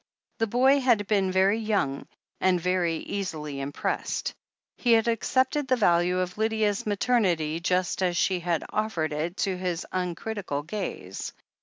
The boy had been very young, and very easily im pressed. He had accepted the value of Lydia's ma ternity just as she had offered it to his uncritical gaze.